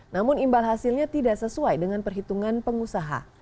namun imbal hasilnya tidak sesuai dengan perhitungan pengusaha